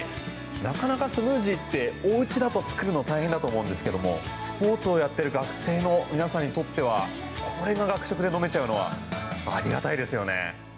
なかなかスムージーっておうちだと作るの大変だと思うんですけどもスポーツをやっている学生の皆さんにとってはこれが学食で飲めちゃうのはありがたいですよね。